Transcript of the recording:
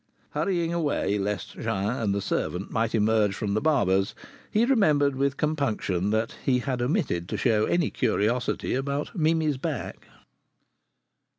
Hurrying away lest Jean and the servant might emerge from the barber's, he remembered with compunction that he had omitted to show any curiosity about Mimi's back.